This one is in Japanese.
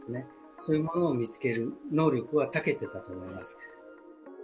そういうものを見つける能力はたけていたと思います。